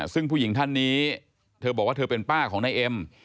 ซึ่งผู้หญิงท่านนี้เธอบอกว่าเธอเป็นป้าของนายเอ็ม